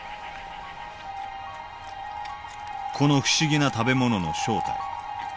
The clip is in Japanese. この不思議な食べ物の正体。